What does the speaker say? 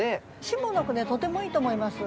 下の句ねとてもいいと思います。